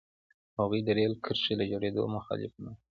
هغوی د رېل کرښې له جوړېدو مخالف نه وو.